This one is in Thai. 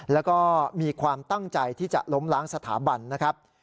แล้วก็มีความตั้งใจที่จะล้มล้างสถาบันนะครับ